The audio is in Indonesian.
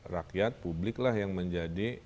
rakyat publik lah yang menjadi